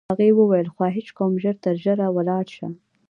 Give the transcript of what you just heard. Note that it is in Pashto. هغې وویل: خواهش کوم، ژر تر ژره ولاړ شه.